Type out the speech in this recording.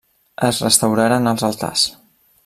Es restauraren els altars.